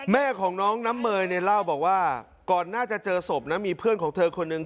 แม่ของน้องน้ำเมยเนี่ยเล่าบอกว่าก่อนน่าจะเจอศพนะมีเพื่อนของเธอคนหนึ่ง